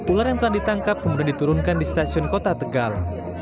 ular yang telah ditangkap kemudian diturunkan di stasiun kota tegal